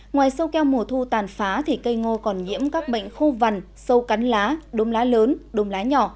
ngoài sâu keo mùa thu tàn phá thì cây ngô còn nhiễm các bệnh khô vằn sâu cắn lá đôm lá lớn đôm lá nhỏ